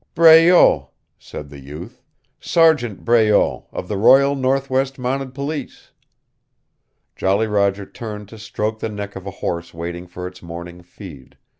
"Breault," said the youth. "Sergeant Breault, of the Royal Northwest Mounted Police." Jolly Roger turned to stroke the neck of a horse waiting for its morning feed.